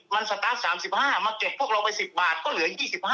มันสตาร์ท๓๕มาเก็บพวกเราไป๑๐บาทก็เหลือ๒๕